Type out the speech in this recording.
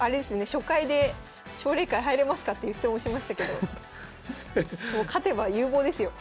初回で奨励会入れますかっていう質問しましたけど勝てば有望ですよ。